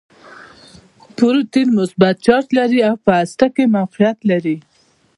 پروټون مثبت چارچ لري او په هسته کې موقعیت لري.